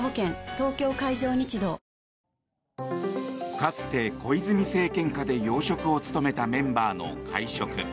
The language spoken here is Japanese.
かつて小泉政権下で要職を務めたメンバーの会食。